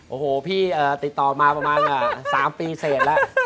โอ้โหพี่ติดต่อมาประมาณ๓ปีเสร็จแล้ว